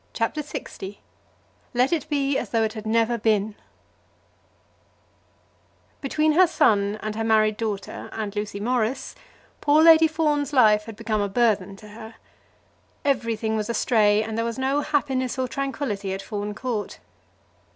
CHAPTER LX "Let It Be As Though It Had Never Been" Between her son, and her married daughter, and Lucy Morris, poor Lady Fawn's life had become a burthen to her. Everything was astray, and there was no happiness or tranquillity at Fawn Court.